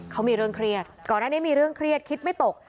เขามีเรื่องเครียดก่อนหน้านี้มีเรื่องเครียดคิดไม่ตก